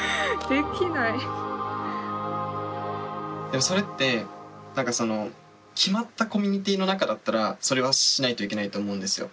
でもそれって決まったコミュニティの中だったらそれはしないといけないと思うんですよ。